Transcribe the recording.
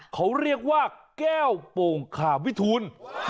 เขาเรียกว่าแก้วโป่งขาวิทูล